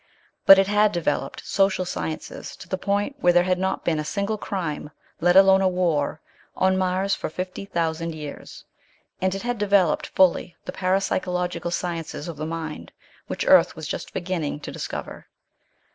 But it had developed social sciences to the point where there had not been a single crime, let alone a war, on Mars for fifty thousand years. And it had developed fully the parapsychological sciences of the mind, which Earth was just beginning to discover.